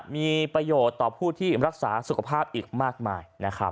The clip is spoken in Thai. มีประโยชน์ต่อผู้ที่รักษาสุขภาพอีกมากมายนะครับ